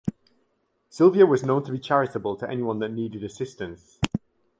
Silvia was known to be charitable to anyone that needed assistance.